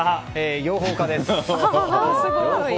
養蜂家です。